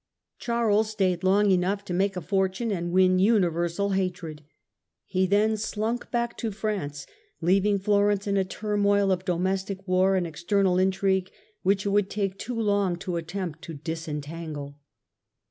Charles stayed long enough to make a fortune and win universal hatred ; he then slunk back to France, leaving Florence in a turmoil of domestic war and external in trigue, which it would take too long to attempt to dis entangle.